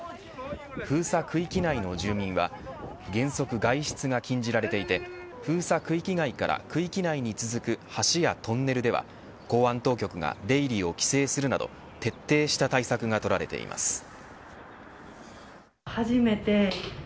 封鎖区域内の住民は原則外出が禁止されていて封鎖区域外から区域内に続く橋やトンネルでは公安当局が出入りを規制するなど徹底した対策が取られています。